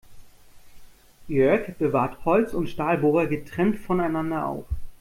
Jörg bewahrt Holz- und Stahlbohrer getrennt voneinander auf.